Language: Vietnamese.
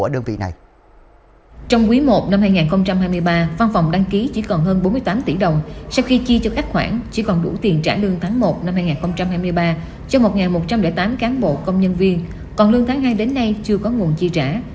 lương tháng bốn cũng chưa có nguồn chi trả